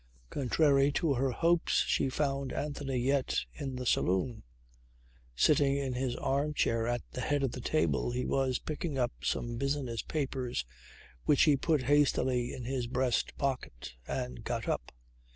Contrary to her hopes she found Anthony yet in the saloon. Sitting in his arm chair at the head of the table he was picking up some business papers which he put hastily in his breast pocket and got up.